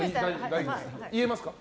言えますか？